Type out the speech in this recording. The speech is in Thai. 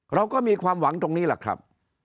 เราก็มีความหวังตรงนี้แหละครับ